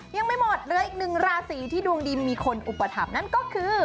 ยังไม่หมดเหลืออีกหนึ่งราศีที่ดวงดีมีคนอุปถัมภนั่นก็คือ